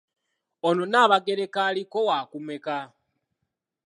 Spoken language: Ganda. Ono Nnaabagereka aliko waakumeka?